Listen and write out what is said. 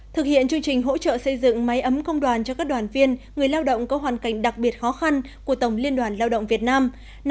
thực hiện chương trình hỗ trợ xây dựng máy ấm công đoàn cho các đoàn viên người lao động có hoàn cảnh đặc biệt khó khăn của tổng liên đoàn lao động việt nam